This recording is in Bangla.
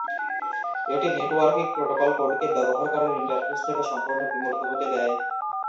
এটি নেটওয়ার্কিং প্রোটোকল কোডকে ব্যবহারকারীর ইন্টারফেস থেকে সম্পূর্ণ বিমূর্ত হতে দেয়।